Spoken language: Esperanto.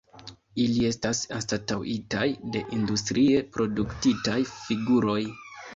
Ili estas anstataŭitaj de industrie produktitaj figuroj.